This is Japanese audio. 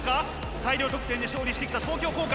大量得点で勝利してきた東京工科。